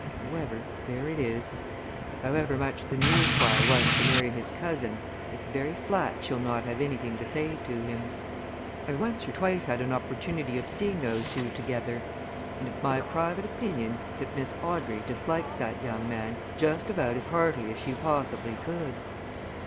However there it is. However much the new Squire wants to marry his cousin, it's very flat she'll not have anything to say to him. I've once or twice had an opportunity of seeing those two together, and it's my private opinion that Miss Audrey dislikes that young man just about as heartily as she possibly could!"